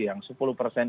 yang sepuluh persen